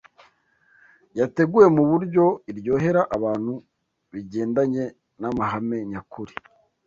yateguwe mu buryo iryohera abantu bigendanye n’amahame nyakuri